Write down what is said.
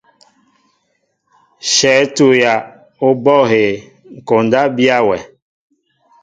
Shéé tuya a ɓɔ ahɛɛ, koondaan biya wɛʼ.